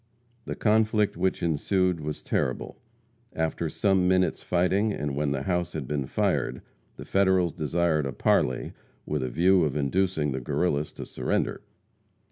The conflict which ensued was terrible. After some minutes' fighting, and when the house had been fired, the Federals desired a parley with a view of inducing the Guerrillas to surrender.